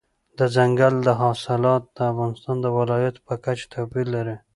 دځنګل حاصلات د افغانستان د ولایاتو په کچه توپیر لري.